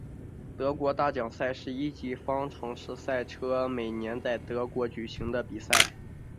德国大奖赛是一级方程式赛车每年在德国举行的比赛。